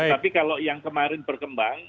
tapi kalau yang kemarin berkembang